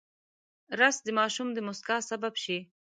رس د ماشوم د موسکا سبب شي